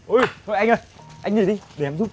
ôi thôi anh ơi anh để đi để em giúp